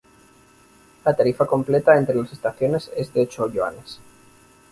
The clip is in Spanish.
La tarifa completa entre las estaciones es de ocho yuanes.